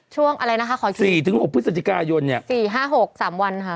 ช่วงอะไรนะคะขอฉีด๔๖พฤศจิกายนเนี่ย๔๕๖๓วันค่ะ